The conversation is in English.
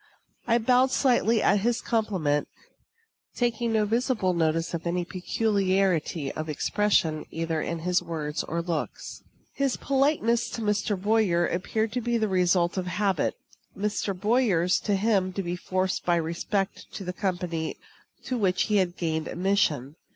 I bowed slightly at his compliment, taking no visible notice of any peculiarity of expression either in his words or looks. His politeness to Mr. Boyer appeared to be the result of habit; Mr. Boyer's to him to be forced by respect to the company to which he had gained admission.